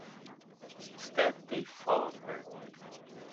Instead, they follow her.